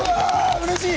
うれしい！